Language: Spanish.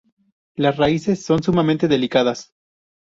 Las raíces son sumamente delicadas.